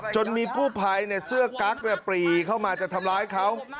มีกู้ภัยเสื้อกั๊กปรีเข้ามาจะทำร้ายเขา